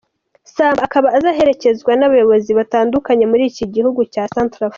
Samba akaba azaherekezwa n’abayobozi batandukanye muri iki gihugu cya Cantrafrika.